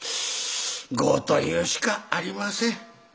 業というしかありませんフフフ。